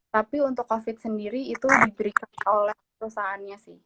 tapi untuk covid sendiri itu diberikan oleh perusahaannya sih